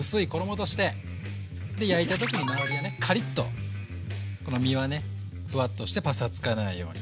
で焼いた時に周りはねカリッとこの身はねふわっとしてパサつかないように。